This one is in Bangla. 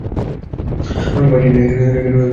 আমি ভার্জিন না।